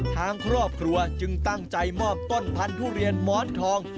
ทางครอบครัวจึงตั้งใจมอบต้นพันธุเรียนม้อนทอง